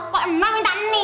kok emang minta ini